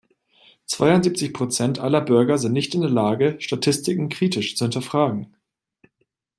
Zweiundsiebzig Prozent aller Bürger sind nicht in der Lage, Statistiken kritisch zu hinterfragen.